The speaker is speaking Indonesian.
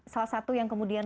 salah satu yang kemudian